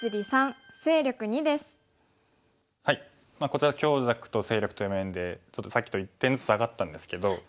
こちら強弱と勢力という面でちょっとさっきと１点ずつ下がったんですけど。